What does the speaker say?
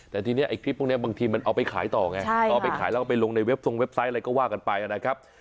แต่ทีนี้ไอ้คลิปพวกนี้บางทีมันเอาไปขายต่อไงเอาไปขายแล้วก็ไปลงในเว็บทรงเว็บไซต์อะไรก็ว่ากันไปนะครับ